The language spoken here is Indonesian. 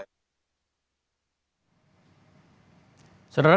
saudara kepolisian kembali menerapkan sistem satu arah